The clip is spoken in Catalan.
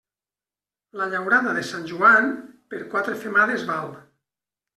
La llaurada de Sant Joan, per quatre femades val.